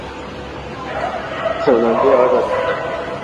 visa ambapo habari za eneo hususan hazipatikani au mahali